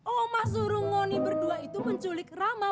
oma suruh ngoni berdua itu menculik rama